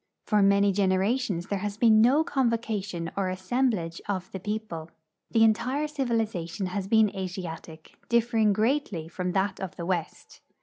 For many generations there has been no convocation or as semblage of the people. The entire civilization has been Asiatic, differing greatly from that of the west.